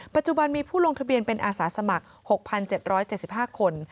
ปัจจุบันมีผู้ลงทะเบียนเป็นอาสาสมัคร๖๗๗๕คน